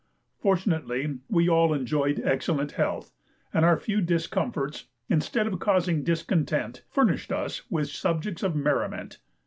Fortunately we all enjoyed excellent health, and our few discomforts, instead of causing discontent, furnished us with subjects of merriment.